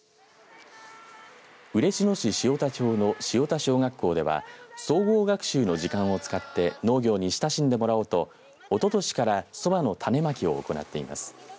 嬉野市塩田町の塩田小学校では総合学習の時間を使って農業に親しんでもらおうとおととしからそばの種まきを行っています。